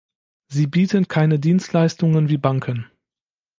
Sie bieten keine Dienstleistungen wie Banken.